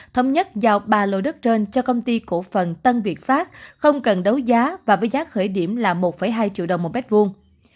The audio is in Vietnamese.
thống nhất giao ba lô đất trên cho công ty cổ phần tân việt pháp không cần đấu giá và với giá khởi điểm là một hai triệu đồng một mét vuông